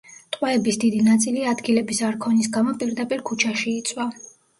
ტყვეების დიდი ნაწილი ადგილების არ ქონის გამო პირდაპირ ქუჩაში იწვა.